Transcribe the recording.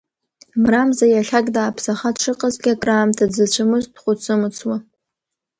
Мрамза иахьак дааԥсаха дшыҟазгьы, акраамҭа дзыцәомызт, дҳәыцы-мыцуан…